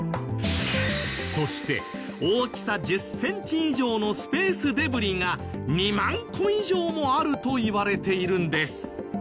そして大きさ１０センチ以上のスペースデブリが２万個以上もあるといわれているんです。